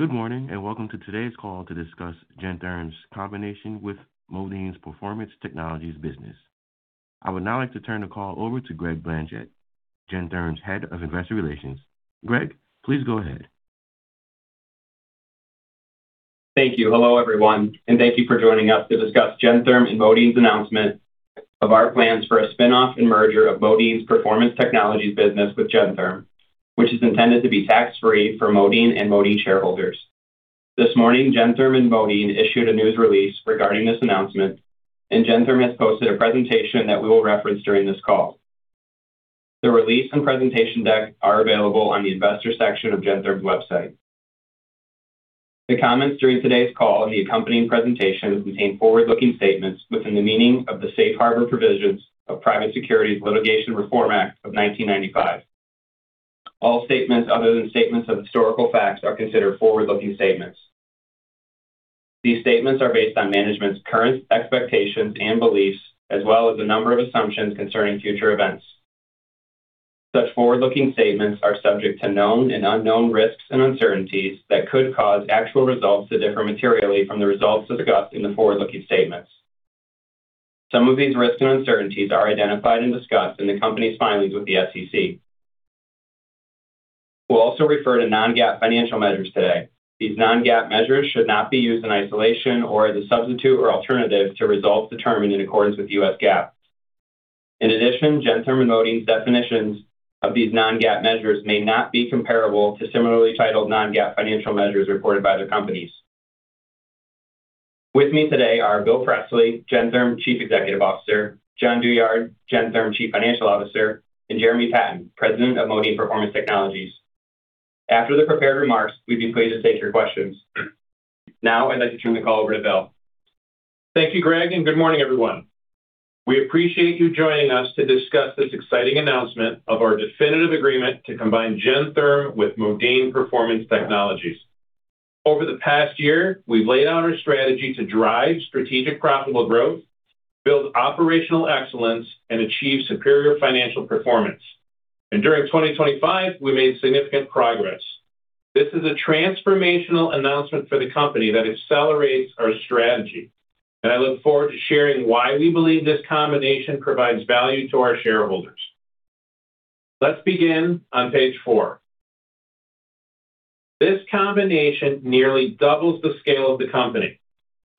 Good morning and welcome to today's call to discuss Gentherm's combination with Modine's Performance Technologies business. I would now like to turn the call over to Greg Blanchette, Gentherm's Head of Investor Relations. Greg, please go ahead. Thank you. Hello, everyone, and thank you for joining us to discuss Gentherm and Modine's announcement of our plans for a spinoff and merger of Modine's Performance Technologies business with Gentherm, which is intended to be tax-free for Modine and Modine shareholders. This morning, Gentherm and Modine issued a news release regarding this announcement, and Gentherm has posted a presentation that we will reference during this call. The release and presentation deck are available on the investor section of Gentherm's website. The comments during today's call and the accompanying presentation contain forward-looking statements within the meaning of the Safe Harbor provisions of Private Securities Litigation Reform Act of 1995. All statements other than statements of historical facts are considered forward-looking statements. These statements are based on management's current expectations and beliefs, as well as a number of assumptions concerning future events. Such forward-looking statements are subject to known and unknown risks and uncertainties that could cause actual results to differ materially from the results discussed in the forward-looking statements. Some of these risks and uncertainties are identified and discussed in the company's filings with the SEC. We'll also refer to non-GAAP financial measures today. These non-GAAP measures should not be used in isolation or as a substitute or alternative to results determined in accordance with U.S. GAAP. In addition, Gentherm and Modine's definitions of these non-GAAP measures may not be comparable to similarly titled non-GAAP financial measures reported by their companies. With me today are Bill Presley, Gentherm Chief Executive Officer; Jon Douyard, Gentherm Chief Financial Officer; and Jeremy Patten, President of Modine Performance Technologies. After the prepared remarks, we'd be pleased to take your questions. Now, I'd like to turn the call over to Bill. Thank you, Greg, and good morning, everyone. We appreciate you joining us to discuss this exciting announcement of our definitive agreement to combine Gentherm with Modine Performance Technologies. Over the past year, we've laid out our strategy to drive strategic profitable growth, build operational excellence, and achieve superior financial performance. During 2025, we made significant progress. This is a transformational announcement for the company that accelerates our strategy, and I look forward to sharing why we believe this combination provides value to our shareholders. Let's begin on page four. This combination nearly doubles the scale of the company,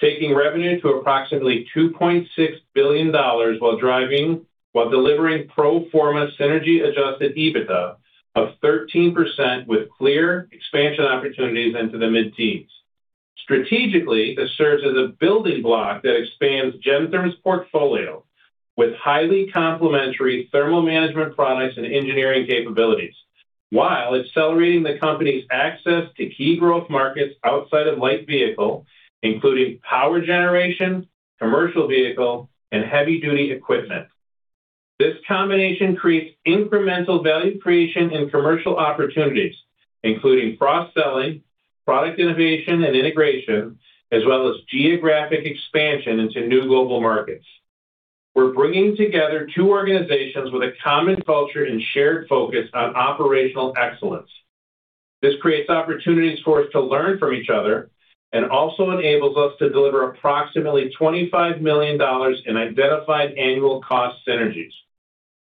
taking revenue to approximately $2.6 billion while delivering pro forma synergy Adjusted EBITDA of 13% with clear expansion opportunities into the mid-teens. Strategically, this serves as a building block that expands Gentherm's portfolio with highly complementary thermal management products and engineering capabilities, while accelerating the company's access to key growth markets outside of light vehicle, including power generation, commercial vehicle, and heavy-duty equipment. This combination creates incremental value creation and commercial opportunities, including cross-selling, product innovation and integration, as well as geographic expansion into new global markets. We're bringing together two organizations with a common culture and shared focus on operational excellence. This creates opportunities for us to learn from each other and also enables us to deliver approximately $25 million in identified annual cost synergies.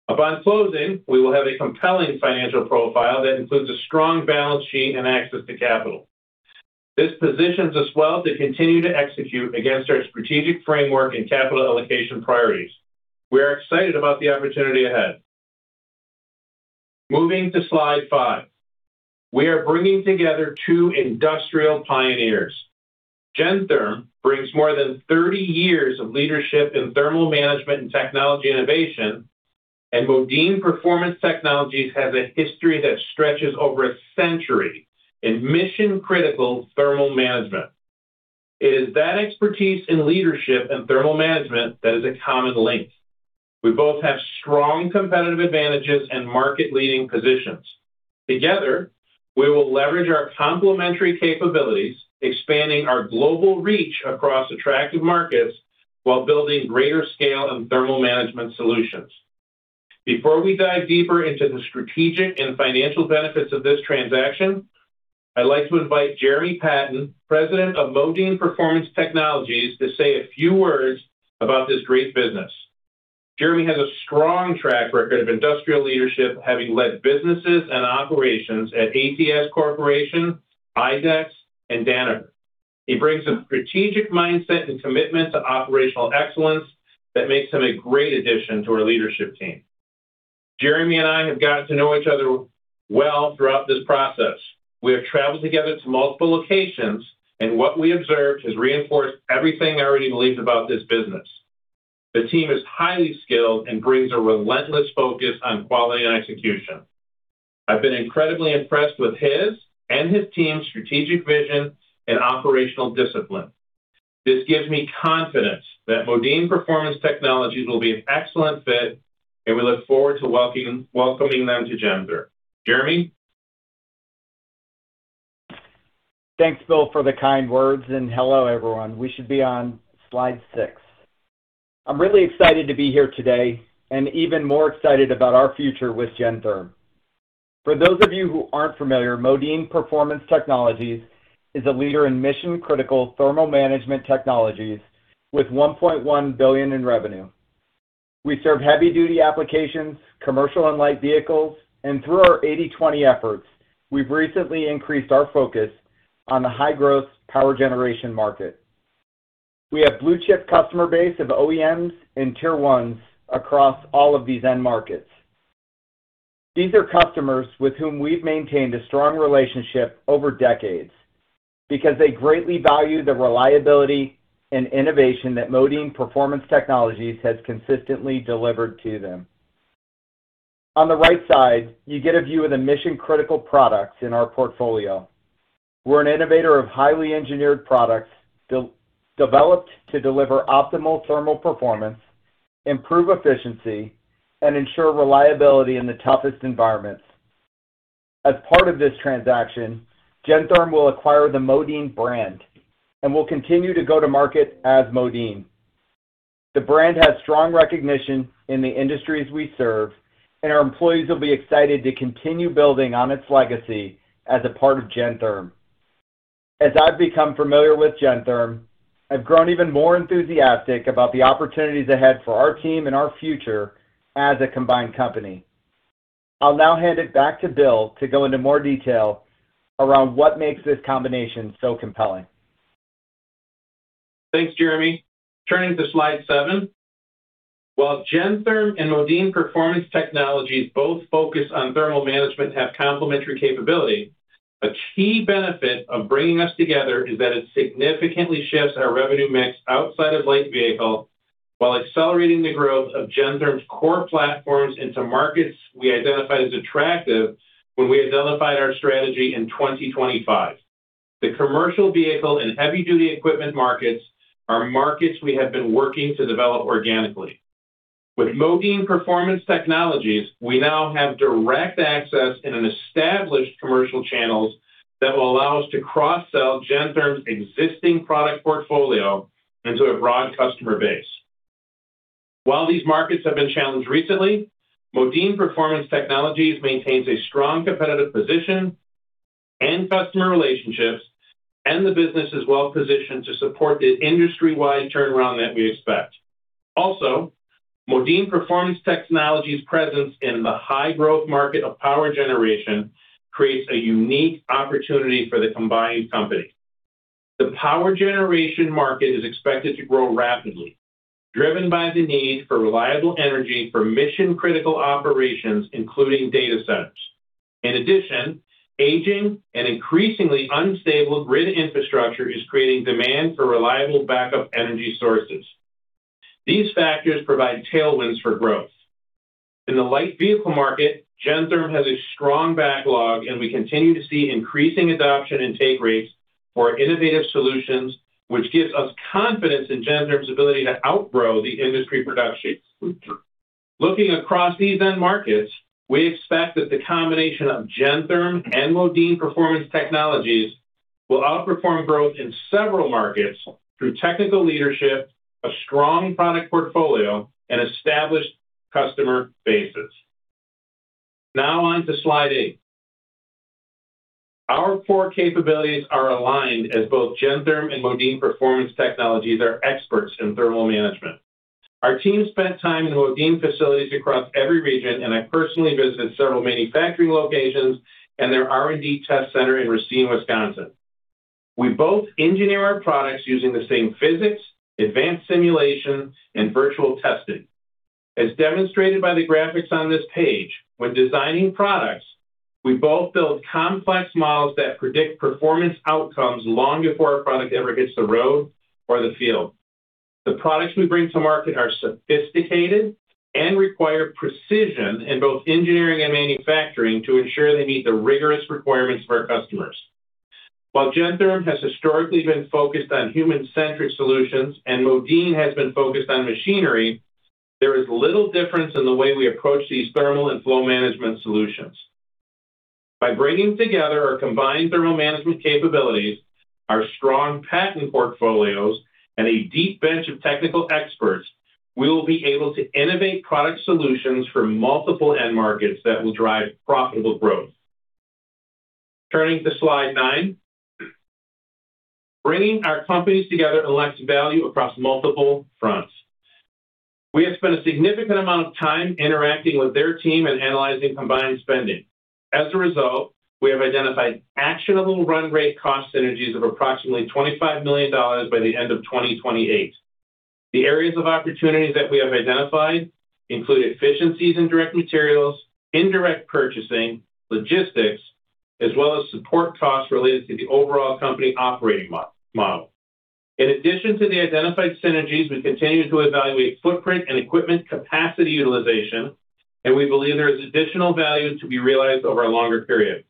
Upon closing, we will have a compelling financial profile that includes a strong balance sheet and access to capital. This positions us well to continue to execute against our strategic framework and capital allocation priorities. We are excited about the opportunity ahead. Moving to slide 5, we are bringing together two industrial pioneers. Gentherm brings more than 30 years of leadership in thermal management and technology innovation, and Modine Performance Technologies has a history that stretches over a century in mission-critical thermal management. It is that expertise in leadership and thermal management that is a common link. We both have strong competitive advantages and market-leading positions. Together, we will leverage our complementary capabilities, expanding our global reach across attractive markets while building greater scale and thermal management solutions. Before we dive deeper into the strategic and financial benefits of this transaction, I'd like to invite Jeremy Patten, President of Modine Performance Technologies, to say a few words about this great business. Jeremy has a strong track record of industrial leadership, having led businesses and operations at ATS Corporation, IDEX, and Danaher. He brings a strategic mindset and commitment to operational excellence that makes him a great addition to our leadership team. Jeremy and I have gotten to know each other well throughout this process. We have traveled together to multiple locations, and what we observed has reinforced everything I already believed about this business. The team is highly skilled and brings a relentless focus on quality and execution. I've been incredibly impressed with his and his team's strategic vision and operational discipline. This gives me confidence that Modine Performance Technologies will be an excellent fit, and we look forward to welcoming them to Gentherm. Jeremy? Thanks, Bill, for the kind words, and hello, everyone. We should be on slide six. I'm really excited to be here today and even more excited about our future with Gentherm. For those of you who aren't familiar, Modine Performance Technologies is a leader in mission-critical thermal management technologies with $1.1 billion in revenue. We serve heavy-duty applications, commercial and light vehicles, and through our 80/20 efforts, we've recently increased our focus on the high-growth power generation market. We have blue-chip customer base of OEMs and Tier 1s across all of these end markets. These are customers with whom we've maintained a strong relationship over decades because they greatly value the reliability and innovation that Modine Performance Technologies has consistently delivered to them. On the right side, you get a view of the mission-critical products in our portfolio. We're an innovator of highly engineered products developed to deliver optimal thermal performance, improve efficiency, and ensure reliability in the toughest environments. As part of this transaction, Gentherm will acquire the Modine brand and will continue to go to market as Modine. The brand has strong recognition in the industries we serve, and our employees will be excited to continue building on its legacy as a part of Gentherm. As I've become familiar with Gentherm, I've grown even more enthusiastic about the opportunities ahead for our team and our future as a combined company. I'll now hand it back to Bill to go into more detail around what makes this combination so compelling. Thanks, Jeremy. Turning to slide 7, while Gentherm and Modine Performance Technologies both focus on thermal management and have complementary capability, a key benefit of bringing us together is that it significantly shifts our revenue mix outside of light vehicle while accelerating the growth of Gentherm's core platforms into markets we identified as attractive when we identified our strategy in 2025. The commercial vehicle and heavy-duty equipment markets are markets we have been working to develop organically. With Modine Performance Technologies, we now have direct access in established commercial channels that will allow us to cross-sell Gentherm's existing product portfolio into a broad customer base. While these markets have been challenged recently, Modine Performance Technologies maintains a strong competitive position and customer relationships, and the business is well-positioned to support the industry-wide turnaround that we expect. Also, Modine Performance Technologies' presence in the high-growth market of power generation creates a unique opportunity for the combined company. The power generation market is expected to grow rapidly, driven by the need for reliable energy for mission-critical operations, including data centers. In addition, aging and increasingly unstable grid infrastructure is creating demand for reliable backup energy sources. These factors provide tailwinds for growth. In the light vehicle market, Gentherm has a strong backlog, and we continue to see increasing adoption and take rates for innovative solutions, which gives us confidence in Gentherm's ability to outgrow the industry production. Looking across these end markets, we expect that the combination of Gentherm and Modine Performance Technologies will outperform growth in several markets through technical leadership, a strong product portfolio, and established customer bases. Now on to slide eight. Our core capabilities are aligned as both Gentherm and Modine Performance Technologies are experts in thermal management. Our team spent time in Modine facilities across every region, and I personally visited several manufacturing locations and their R&D test center in Racine, Wisconsin. We both engineer our products using the same physics, advanced simulation, and virtual testing. As demonstrated by the graphics on this page, when designing products, we both build complex models that predict performance outcomes long before a product ever hits the road or the field. The products we bring to market are sophisticated and require precision in both engineering and manufacturing to ensure they meet the rigorous requirements for our customers. While Gentherm has historically been focused on human-centric solutions and Modine has been focused on machinery, there is little difference in the way we approach these thermal and flow management solutions. By bringing together our combined thermal management capabilities, our strong patent portfolios, and a deep bench of technical experts, we will be able to innovate product solutions for multiple end markets that will drive profitable growth. Turning to slide 9, bringing our companies together unlocks value across multiple fronts. We have spent a significant amount of time interacting with their team and analyzing combined spending. As a result, we have identified actionable run-rate cost synergies of approximately $25 million by the end of 2028. The areas of opportunity that we have identified include efficiencies in direct materials, indirect purchasing, logistics, as well as support costs related to the overall company operating model. In addition to the identified synergies, we continue to evaluate footprint and equipment capacity utilization, and we believe there is additional value to be realized over a longer period.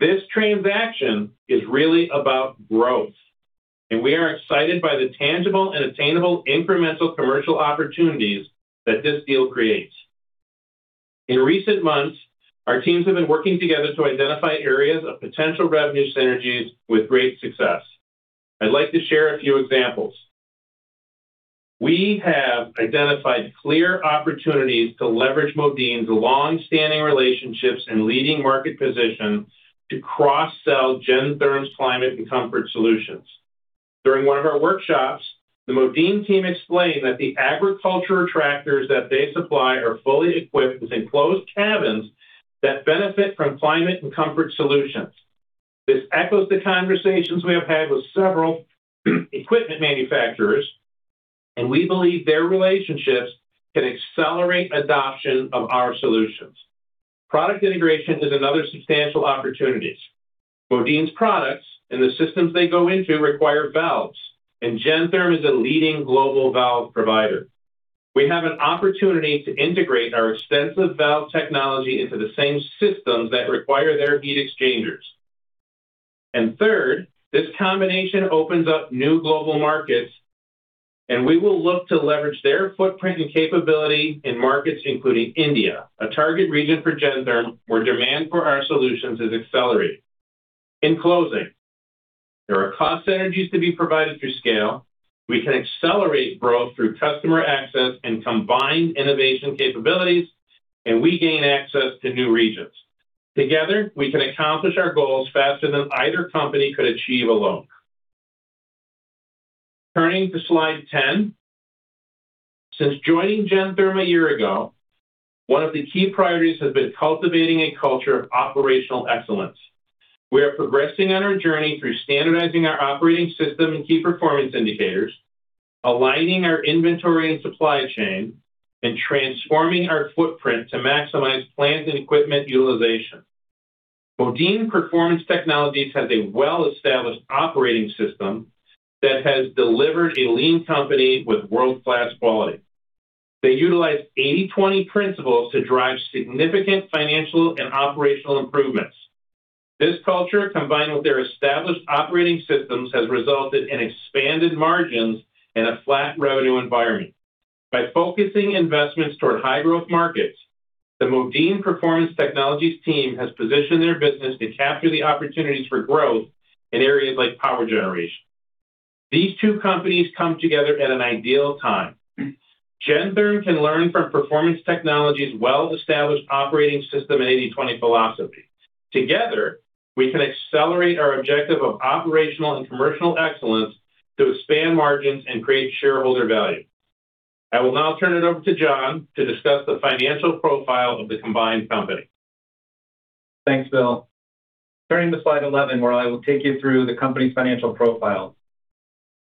This transaction is really about growth, and we are excited by the tangible and attainable incremental commercial opportunities that this deal creates. In recent months, our teams have been working together to identify areas of potential revenue synergies with great success. I'd like to share a few examples. We have identified clear opportunities to leverage Modine's long-standing relationships and leading market position to cross-sell Gentherm's Climate and Comfort solutions. During one of our workshops, the Modine team explained that the agriculture tractors that they supply are fully equipped with enclosed cabins that benefit from Climate and Comfort solutions. This echoes the conversations we have had with several equipment manufacturers, and we believe their relationships can accelerate adoption of our solutions. Product integration is another substantial opportunity. Modine's products and the systems they go into require valves, and Gentherm is a leading global valve provider. We have an opportunity to integrate our extensive valve technology into the same systems that require their heat exchangers. And third, this combination opens up new global markets, and we will look to leverage their footprint and capability in markets including India, a target region for Gentherm where demand for our solutions is accelerated. In closing, there are cost synergies to be provided through scale. We can accelerate growth through customer access and combined innovation capabilities, and we gain access to new regions. Together, we can accomplish our goals faster than either company could achieve alone. Turning to slide 10, since joining Gentherm a year ago, one of the key priorities has been cultivating a culture of operational excellence. We are progressing on our journey through standardizing our operating system and key performance indicators, aligning our inventory and supply chain, and transforming our footprint to maximize plant and equipment utilization. Modine Performance Technologies has a well-established operating system that has delivered a lean company with world-class quality. They utilize 80/20 principles to drive significant financial and operational improvements. This culture, combined with their established operating systems, has resulted in expanded margins and a flat revenue environment. By focusing investments toward high-growth markets, the Modine Performance Technologies team has positioned their business to capture the opportunities for growth in areas like power generation. These two companies come together at an ideal time. Gentherm can learn from Performance Technologies' well-established operating system and 80/20 philosophy. Together, we can accelerate our objective of operational and commercial excellence to expand margins and create shareholder value. I will now turn it over to Jon to discuss the financial profile of the combined company. Thanks, Bill. Turning to slide 11, where I will take you through the company's financial profile.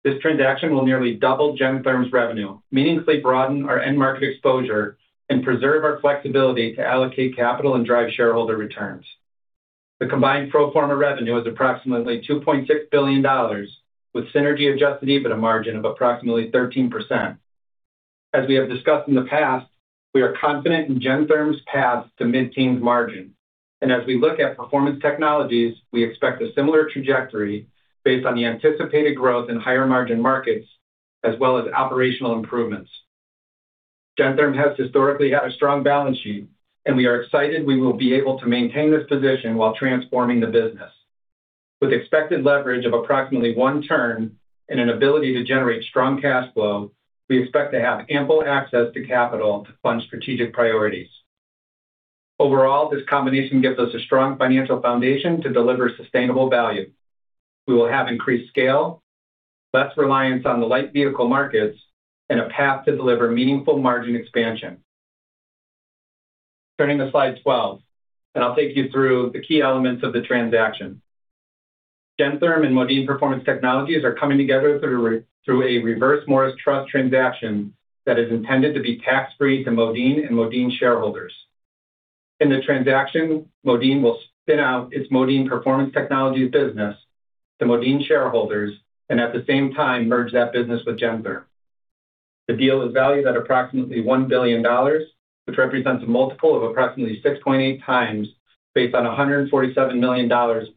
This transaction will nearly double Gentherm's revenue, meaningfully broaden our end market exposure, and preserve our flexibility to allocate capital and drive shareholder returns. The combined pro forma revenue is approximately $2.6 billion, with synergy Adjusted EBITDA margin of approximately 13%. As we have discussed in the past, we are confident in Gentherm's path to mid-teens margin, and as we look at Performance Technologies, we expect a similar trajectory based on the anticipated growth in higher margin markets as well as operational improvements. Gentherm has historically had a strong balance sheet, and we are excited we will be able to maintain this position while transforming the business. With expected leverage of approximately one turn and an ability to generate strong cash flow, we expect to have ample access to capital to fund strategic priorities. Overall, this combination gives us a strong financial foundation to deliver sustainable value. We will have increased scale, less reliance on the light vehicle markets, and a path to deliver meaningful margin expansion. Turning to slide 12, and I'll take you through the key elements of the transaction. Gentherm and Modine Performance Technologies are coming together through a Reverse Morris Trust transaction that is intended to be tax-free to Modine and Modine shareholders. In the transaction, Modine will spin out its Modine Performance Technologies business to Modine shareholders and at the same time merge that business with Gentherm. The deal is valued at approximately $1 billion, which represents a multiple of approximately 6.8x based on $147 million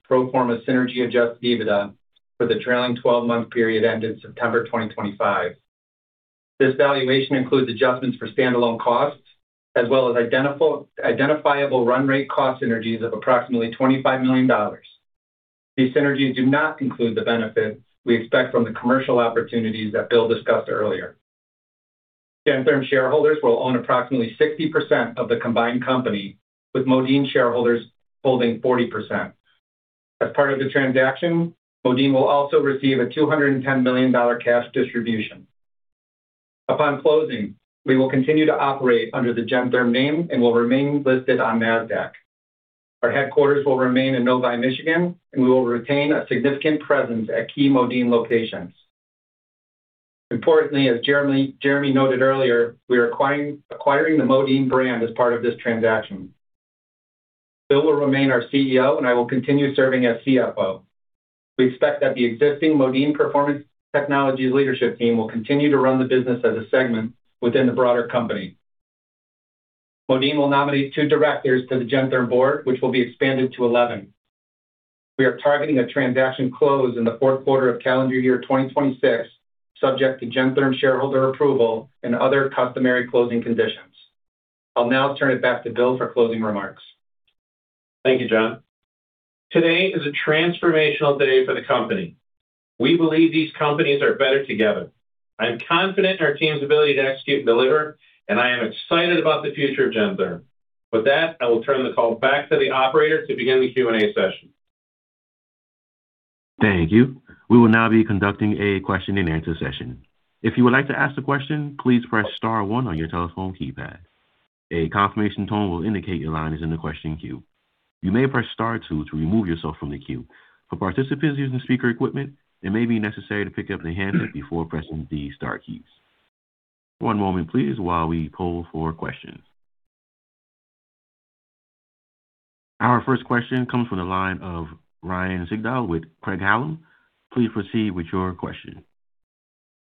pro forma synergy Adjusted EBITDA for the trailing 12-month period ended September 2025. This valuation includes adjustments for standalone costs as well as identifiable run-rate cost synergies of approximately $25 million. These synergies do not include the benefits we expect from the commercial opportunities that Bill discussed earlier. Gentherm shareholders will own approximately 60% of the combined company, with Modine shareholders holding 40%. As part of the transaction, Modine will also receive a $210 million cash distribution. Upon closing, we will continue to operate under the Gentherm name and will remain listed on NASDAQ. Our headquarters will remain in Novi, Michigan, and we will retain a significant presence at key Modine locations. Importantly, as Jeremy noted earlier, we are acquiring the Modine brand as part of this transaction. Bill will remain our CEO, and I will continue serving as CFO. We expect that the existing Modine Performance Technologies leadership team will continue to run the business as a segment within the broader company. Modine will nominate two directors to the Gentherm board, which will be expanded to 11. We are targeting a transaction close in the fourth quarter of calendar year 2026, subject to Gentherm shareholder approval and other customary closing conditions. I'll now turn it back to Bill for closing remarks. Thank you, Jon. Today is a transformational day for the company. We believe these companies are better together. I'm confident in our team's ability to execute and deliver, and I am excited about the future of Gentherm. With that, I will turn the call back to the operator to begin the Q&A session. Thank you. We will now be conducting a question-and-answer session. If you would like to ask a question, please press star one on your telephone keypad. A confirmation tone will indicate your line is in the question queue. You may press star two to remove yourself from the queue. For participants using speaker equipment, it may be necessary to pick up the handheld before pressing the star keys. One moment, please, while we poll for questions. Our first question comes from the line of Ryan Sigdahl with Craig-Hallum. Please proceed with your question.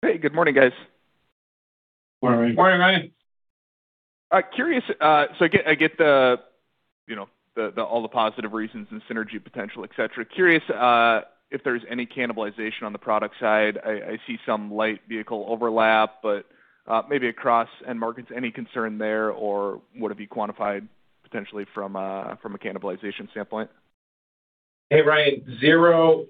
Hey, good morning, guys. Morning. Morning, Ryan. Curious, so I get all the positive reasons and synergy potential, etc. Curious if there's any cannibalization on the product side. I see some light vehicle overlap, but maybe across end markets, any concern there or would it be quantified potentially from a cannibalization standpoint? Hey, Ryan, zero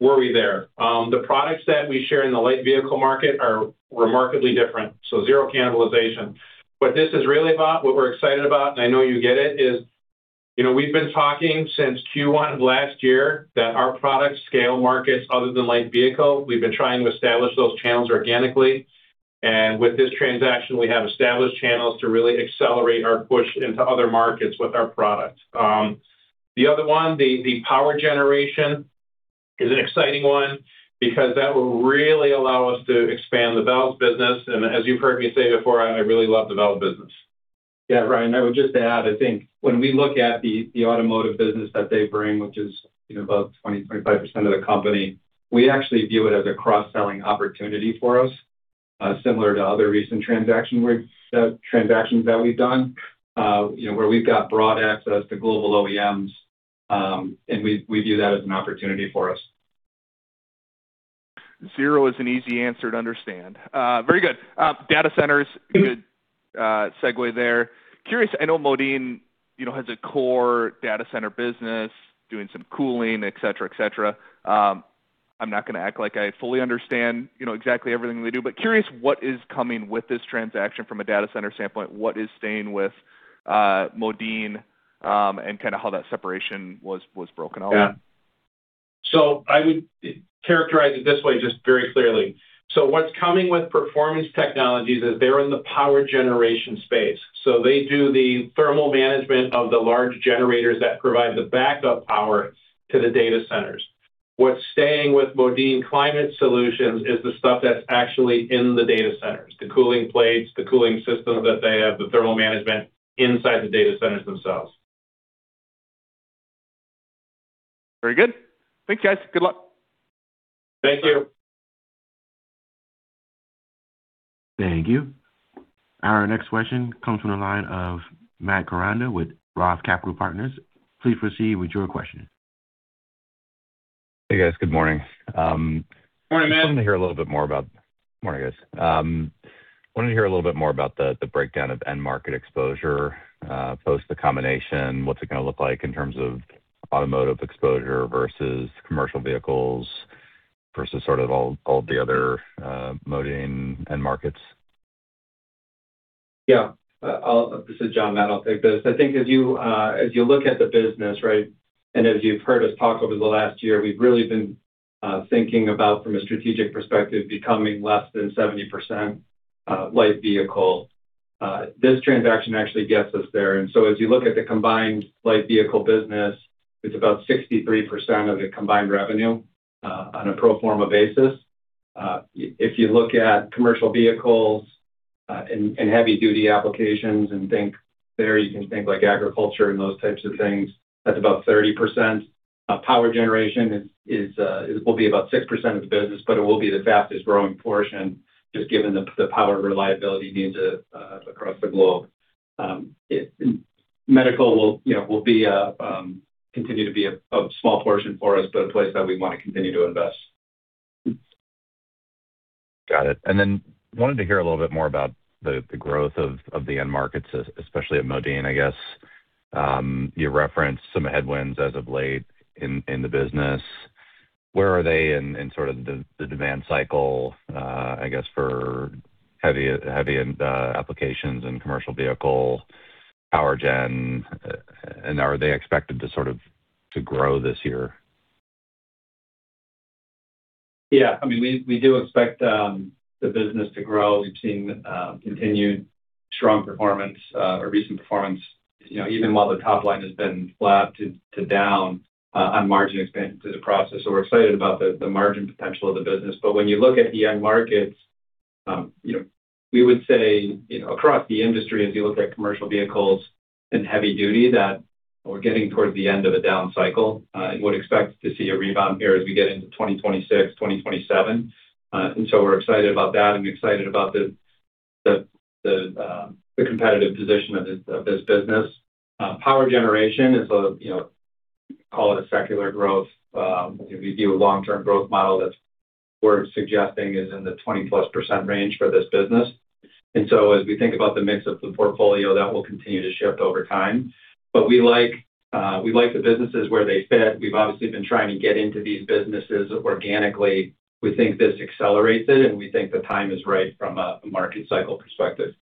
worry there. The products that we share in the light vehicle market are remarkably different, so zero cannibalization. What this is really about, what we're excited about, and I know you get it, is we've been talking since Q1 of last year that our products scale markets other than light vehicle. We've been trying to establish those channels organically. And with this transaction, we have established channels to really accelerate our push into other markets with our product. The other one, the power generation, is an exciting one because that will really allow us to expand the valve business. And as you've heard me say before, I really love the valve business. Yeah, Ryan, I would just add, I think when we look at the automotive business that they bring, which is about 20%-25% of the company, we actually view it as a cross-selling opportunity for us, similar to other recent transactions that we've done, where we've got broad access to global OEMs, and we view that as an opportunity for us. Zero is an easy answer to understand. Very good. Data centers, good segue there. Curious, I know Modine has a core data center business, doing some cooling, etc., etc. I'm not going to act like I fully understand exactly everything they do, but curious what is coming with this transaction from a data center standpoint, what is staying with Modine, and kind of how that separation was broken out? Yeah. So I would characterize it this way just very clearly. So what's coming with Performance Technologies is they're in the power generation space. So they do the thermal management of the large generators that provide the backup power to the data centers. What's staying with Modine Climate Solutions is the stuff that's actually in the data centers, the cooling plates, the cooling systems that they have, the thermal management inside the data centers themselves. Very good. Thanks, guys. Good luck. Thank you. Thank you. Our next question comes from the line of Matt Koranda with Roth Capital Partners. Please proceed with your question. Hey, guys. Good morning. Morning, man. I wanted to hear a little bit more about the breakdown of end market exposure post the combination. What's it going to look like in terms of automotive exposure versus commercial vehicles versus sort of all of the other Modine end markets? Yeah. This is Jon Douyard. I'll take this. I think as you look at the business, right, and as you've heard us talk over the last year, we've really been thinking about, from a strategic perspective, becoming less than 70% light vehicle. This transaction actually gets us there. And so as you look at the combined light vehicle business, it's about 63% of the combined revenue on a pro forma basis. If you look at commercial vehicles and heavy-duty applications and think there, you can think like agriculture and those types of things, that's about 30%. Power generation will be about 6% of the business, but it will be the fastest growing portion just given the power reliability needs across the globe. Medical will continue to be a small portion for us, but a place that we want to continue to invest. Got it. And then wanted to hear a little bit more about the growth of the end markets, especially at Modine, I guess. You referenced some headwinds as of late in the business. Where are they in sort of the demand cycle, I guess, for heavy applications and commercial vehicle power gen? And are they expected to sort of grow this year? Yeah. I mean, we do expect the business to grow. We've seen continued strong performance or recent performance, even while the top line has been flat to down on margin expansion through the process. So we're excited about the margin potential of the business. But when you look at the end markets, we would say across the industry, as you look at commercial vehicles and heavy-duty, that we're getting towards the end of a down cycle. We would expect to see a rebound here as we get into 2026, 2027. And so we're excited about that and excited about the competitive position of this business. Power generation is, call it a secular growth. We view a long-term growth model that we're suggesting is in the 20%+ range for this business. And so as we think about the mix of the portfolio, that will continue to shift over time. We like the businesses where they fit. We've obviously been trying to get into these businesses organically. We think this accelerates it, and we think the time is right from a market cycle perspective.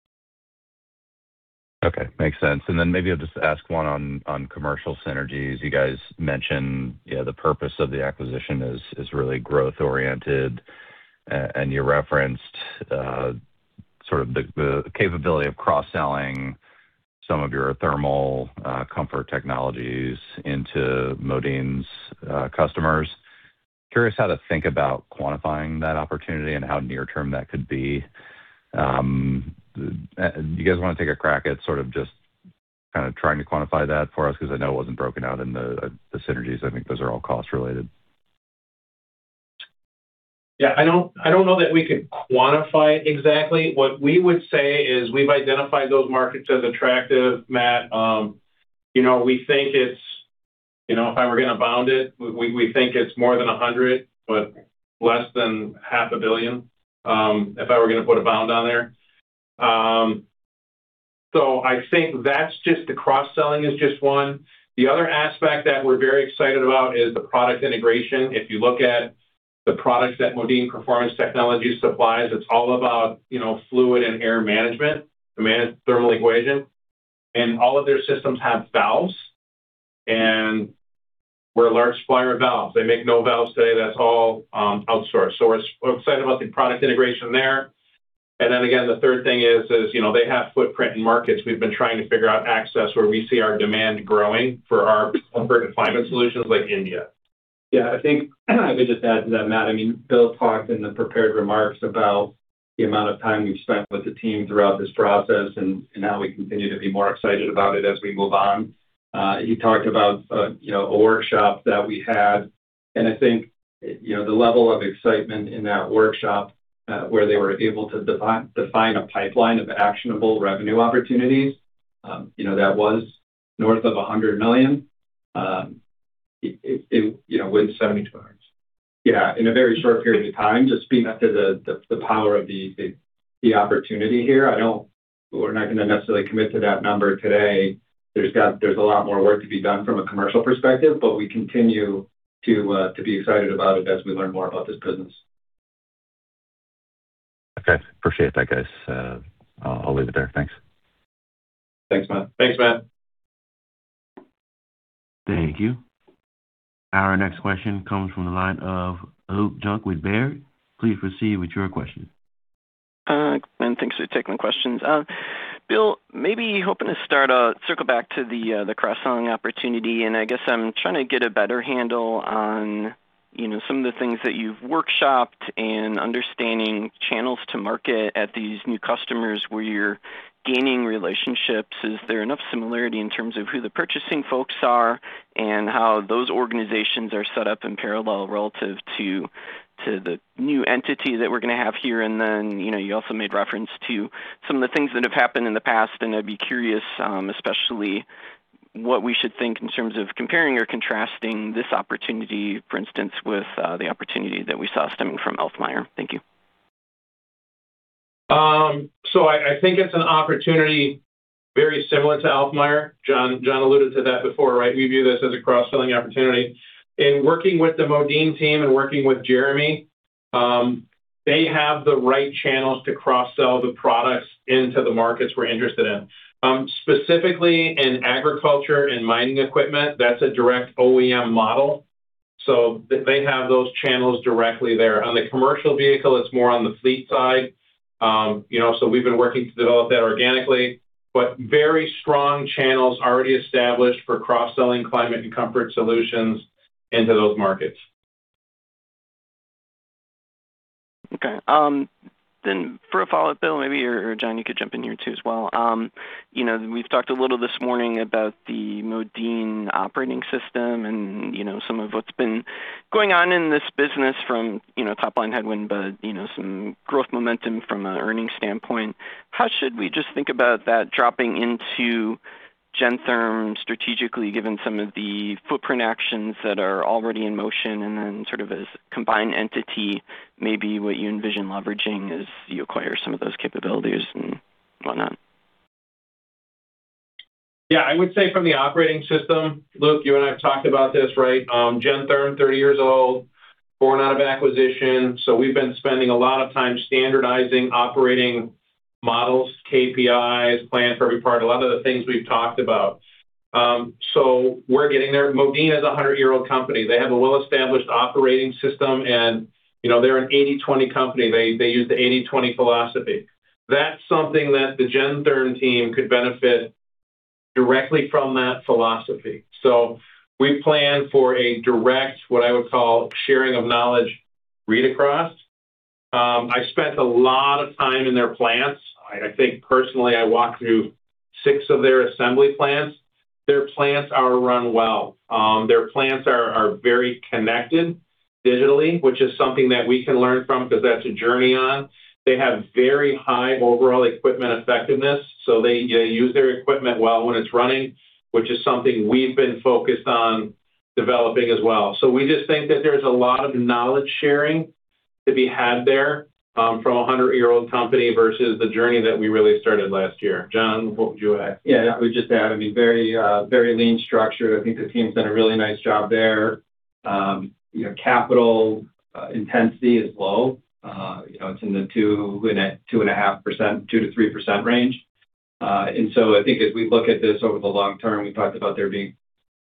Okay. Makes sense. Then maybe I'll just ask one on commercial synergies. You guys mentioned the purpose of the acquisition is really growth-oriented. And you referenced sort of the capability of cross-selling some of your thermal comfort technologies into Modine's customers. Curious how to think about quantifying that opportunity and how near-term that could be. Do you guys want to take a crack at sort of just kind of trying to quantify that for us? Because I know it wasn't broken out in the synergies. I think those are all cost-related. Yeah. I don't know that we could quantify it exactly. What we would say is we've identified those markets as attractive, Matt. We think it's if I were going to bound it, we think it's more than $100 million, but less than $500 million if I were going to put a bound on there. So I think that's just the cross-selling is just one. The other aspect that we're very excited about is the product integration. If you look at the products that Modine Performance Technologies supplies, it's all about fluid and air management, the thermal equation. And all of their systems have valves, and we're a large supplier of valves. They make no valves today. That's all outsourced. So we're excited about the product integration there. And then again, the third thing is they have footprint in markets. We've been trying to figure out access where we see our demand growing for our comfort and climate solutions like India. Yeah. I think I could just add to that, Matt. I mean, Bill talked in the prepared remarks about the amount of time we've spent with the team throughout this process and how we continue to be more excited about it as we move on. He talked about a workshop that we had, and I think the level of excitement in that workshop where they were able to define a pipeline of actionable revenue opportunities that was north of $100 million. With 72 hours. Yeah. In a very short period of time, just speaking to the power of the opportunity here. We're not going to necessarily commit to that number today. There's a lot more work to be done from a commercial perspective, but we continue to be excited about it as we learn more about this business. Okay. Appreciate that, guys. I'll leave it there. Thanks. Thanks, Matt. Thanks, Matt. Thank you. Our next question comes from the line of Luke Junk with Baird. Please proceed with your question. Thanks for taking the questions. Bill, maybe hoping to circle back to the cross-selling opportunity. And I guess I'm trying to get a better handle on some of the things that you've workshopped and understanding channels to market at these new customers where you're gaining relationships. Is there enough similarity in terms of who the purchasing folks are and how those organizations are set up in parallel relative to the new entity that we're going to have here? And then you also made reference to some of the things that have happened in the past, and I'd be curious, especially what we should think in terms of comparing or contrasting this opportunity, for instance, with the opportunity that we saw stemming from Alfmeier. Thank you. So I think it's an opportunity very similar to Alfmeier. Jon alluded to that before, right? We view this as a cross-selling opportunity. In working with the Modine team and working with Jeremy, they have the right channels to cross-sell the products into the markets we're interested in. Specifically in agriculture and mining equipment, that's a direct OEM model. So they have those channels directly there. On the commercial vehicle, it's more on the fleet side. So we've been working to develop that organically, but very strong channels already established for cross-selling Climate and Comfort solutions into those markets. Okay. Then for a follow-up, Bill, maybe or Jon, you could jump in here too as well. We've talked a little this morning about the Modine operating system and some of what's been going on in this business from top line headwind, but some growth momentum from an earnings standpoint. How should we just think about that dropping into Gentherm strategically, given some of the footprint actions that are already in motion? And then sort of as a combined entity, maybe what you envision leveraging as you acquire some of those capabilities and whatnot? Yeah. I would say from the operating system, Luke, you and I have talked about this, right? Gentherm, 30 years old, born out of acquisition. So we've been spending a lot of time standardizing operating models, KPIs, Plan For Every Part, a lot of the things we've talked about. So we're getting there. Modine is a 100-year-old company. They have a well-established operating system, and they're an 80/20 company. They use the 80/20 philosophy. That's something that the Gentherm team could benefit directly from that philosophy. So we plan for a direct, what I would call, sharing of knowledge read across. I spent a lot of time in their plants. I think personally, I walked through 6 of their assembly plants. Their plants are run well. Their plants are very connected digitally, which is something that we can learn from because that's a journey on. They have very high overall equipment effectiveness. So they use their equipment well when it's running, which is something we've been focused on developing as well. So we just think that there's a lot of knowledge sharing to be had there from a 100-year-old company versus the journey that we really started last year. Jon, what would you add? Yeah. I would just add, I mean, very lean structure. I think the team's done a really nice job there. Capital intensity is low. It's in the 2.5%, 2%-3% range. And so I think as we look at this over the long term, we talked about there being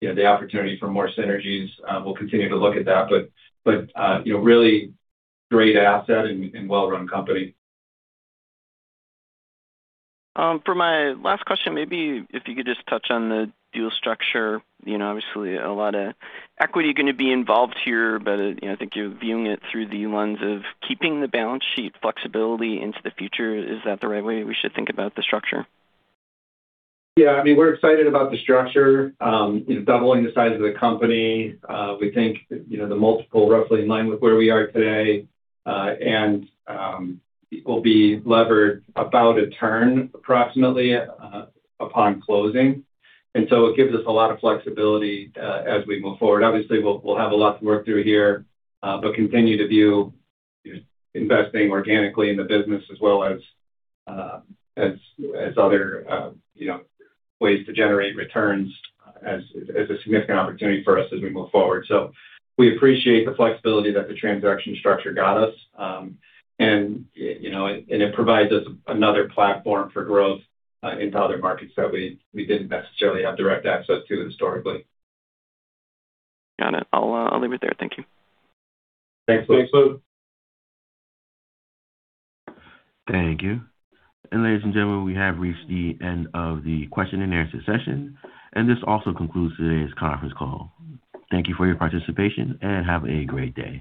the opportunity for more synergies. We'll continue to look at that, but really great asset and well-run company. For my last question, maybe if you could just touch on the deal structure. Obviously, a lot of equity is going to be involved here, but I think you're viewing it through the lens of keeping the balance sheet flexibility into the future. Is that the right way we should think about the structure? Yeah. I mean, we're excited about the structure, doubling the size of the company. We think the multiple is roughly in line with where we are today, and it will be levered about a turn approximately upon closing. And so it gives us a lot of flexibility as we move forward. Obviously, we'll have a lot to work through here, but continue to view investing organically in the business as well as other ways to generate returns as a significant opportunity for us as we move forward. So we appreciate the flexibility that the transaction structure got us, and it provides us another platform for growth into other markets that we didn't necessarily have direct access to historically. Got it. I'll leave it there. Thank you. Thanks, Luke. Thanks, Luke. Thank you. Ladies and gentlemen, we have reached the end of the question-and-answer session, and this also concludes today's conference call. Thank you for your participation, and have a great day.